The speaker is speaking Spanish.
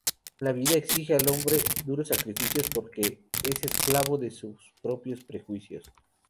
La vida exige al hombre duros sacrificios porque es esclavo de sus propios prejuicios.